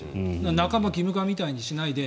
半ば義務化みたいにしないで。